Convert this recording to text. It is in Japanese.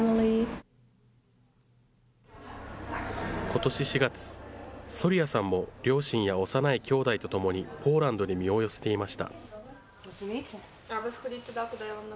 ことし４月、ソリヤさんも両親や幼いきょうだいとともに、ポーランドに身を寄せていました。